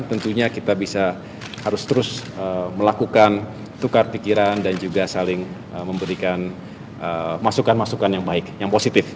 tentunya kita bisa harus terus melakukan tukar pikiran dan juga saling memberikan masukan masukan yang baik yang positif